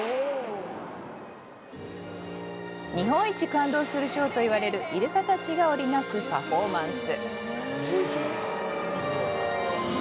日本一感動するショーといわれるイルカたちが織りなすパフォーマンス。